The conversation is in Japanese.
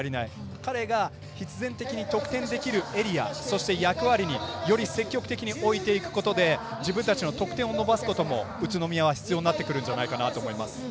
彼が必然的に得点できるエリアそして役割により積極的に置いていくことで自分たちの得点を伸ばすことは宇都宮は必要になってくるかなと思います。